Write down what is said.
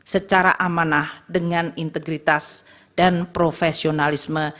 secara amanah dengan integritas dan profesionalisme